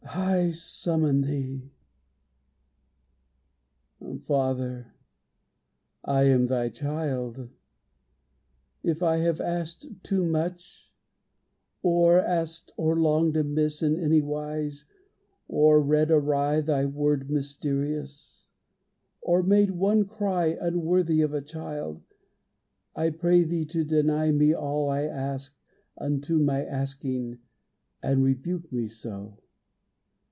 I summon Thee! Father, I am Thy child. If I have asked too much, Or asked or longed amiss in any wise, Or read awry Thy Word mysterious, Or made one cry unworthy of a child, I pray Thee to deny me all I ask Unto my asking, and rebuke me so.